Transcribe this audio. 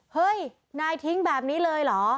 เฮ้ยนายทิ้งแบบนี้เลยเหรอ